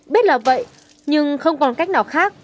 biết là vậy nhưng không còn cách nào khác